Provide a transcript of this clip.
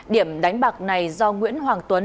điểm đánh bạc này do nguyễn hoàng tuấn